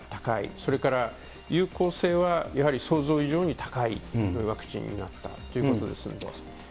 それから有効性は、やはり想像以上に高いワクチンになったということですので。